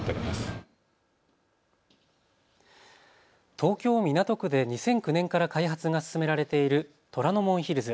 東京港区で２００９年から開発が進められている虎ノ門ヒルズ。